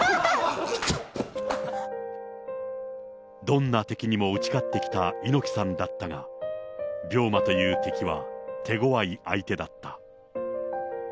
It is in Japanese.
どんな敵にも打ち勝ってきた猪木さんだったが、病魔という敵は手ごわい相手だった。